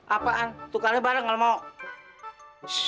apaan tukarnya bareng kalo mau